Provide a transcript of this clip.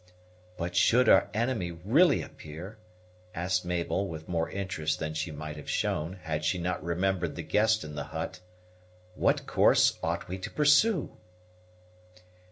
"But should our enemy really appear," asked Mabel, with more interest than she might have shown, had she not remembered the guest in the hut, "what course ought we to pursue?"